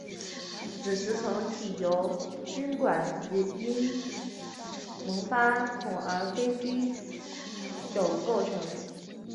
子实层体由菌管及萌发孔而非菌褶构成。